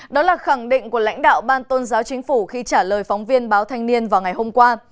đó là khẳng định của lãnh đạo ban tôn giáo chính phủ khi trả lời phóng viên báo thanh niên vào ngày hôm qua